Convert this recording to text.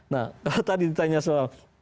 nah tadi ditanya soal